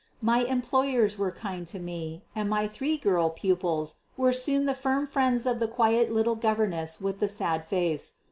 My employers were kind to me, and my three girl pupils soon were the firm friends of the quiet little governess with the sad face.